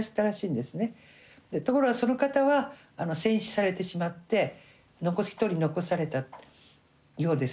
ところがその方は戦死されてしまって一人残されたようです。